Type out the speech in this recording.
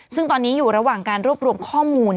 ซึ่งตอนนี้อยู่ระหว่างการรวบรวมข้อมูล